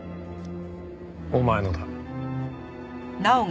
お前のだ。